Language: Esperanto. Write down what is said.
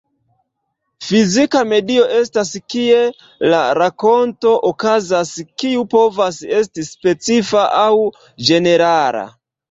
Fizika medio estas kie la rakonto okazas, kiu povas esti specifa aŭ ĝenerala.